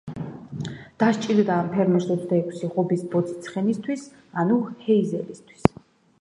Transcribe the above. დასჭირდა ამ ფერმერს ოცდაექვსი ღობის ბოძი ცხენისთვის, ანუ ჰეიზელისთვის.